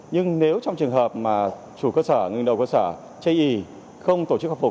nhưng nếu trong trường hợp mà chủ cơ sở ngừng đầu cơ sở chây ý không tổ chức khắc phục